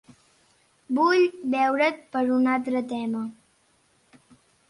Vull veure't per un altre tema.